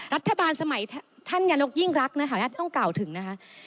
รัฐบาลสมัยท่านยาลกยิ่งรักนะครับอยากต้องกล่าวถึงนะครับ